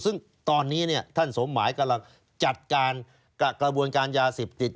ซึ่งตอนนี้ท่านสมหมายกำลังจัดการกับกระบวนการยาเสพติด